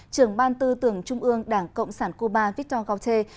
trưởng ban tư tưởng trung ương đảng cộng sản cuba victor gautier